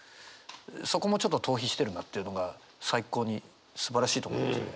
そこもちょっと逃避してるなっていうのが最高にすばらしいと思いますね。